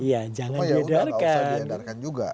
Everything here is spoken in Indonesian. ya jangan diadarkan